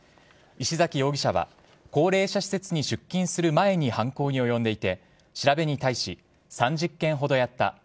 石崎容疑者は高齢者施設に出勤する前に犯行に及んでいて調べに対し、３０件ほどやった。